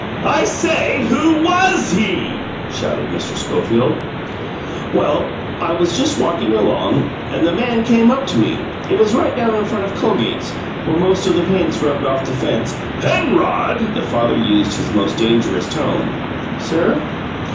"I say, Who WAS he?" shouted Mr. Schofield. "Well, I was just walking along, and the man came up to me it was right down in front of Colgate's, where most of the paint's rubbed off the fence " "Penrod!" The father used his most dangerous tone. "Sir?"